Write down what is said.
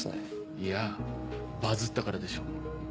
いやバズったからでしょう。